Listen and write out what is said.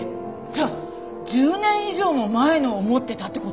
じゃあ１０年以上も前のを持ってたって事？